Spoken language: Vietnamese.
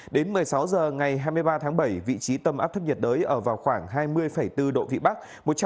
đến một mươi sáu h ngày hai mươi ba tháng bảy vị trí tâm áp thấp nhiệt đới ở vào khoảng hai mươi bốn độ vĩ bắc